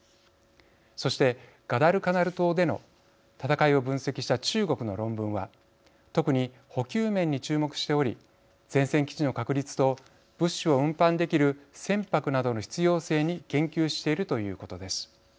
そしてガダルカナル島での戦いを分析した中国の論文は特に補給面に注目しており前線基地の確立と物資を運搬できる船舶などの必要性に言及しているということです。